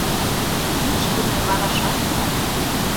Кӱчдымӧ варашат мо?